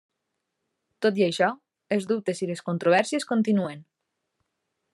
Tot i això, els dubtes i les controvèrsies continuen.